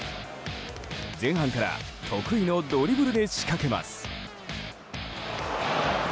前半から得意のドリブルで仕掛けます。